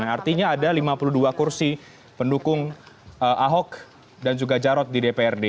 artinya ada lima puluh dua kursi pendukung ahok dan juga jarot di dprd